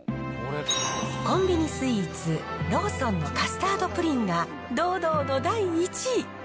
コンビニスイーツ、ローソンのカスタードプリンが堂々の第１位。